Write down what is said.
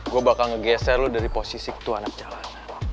gue bakal ngegeser lo dari posisi ketua anak jalan